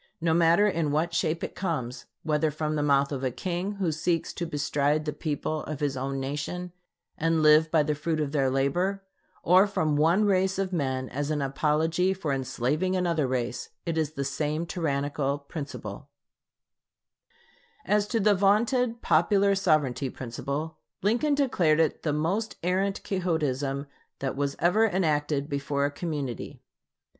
No matter in what shape it comes, whether from the mouth of a king who seeks to bestride the people of his own nation and live by the fruit of their labor, or from one race of men as an apology for enslaving another race, it is the same tyrannical principle. Lincoln Douglas Debates, p. 56. As to the vaunted popular sovereignty principle, Lincoln declared it "the most arrant Quixotism that was ever enacted before a community....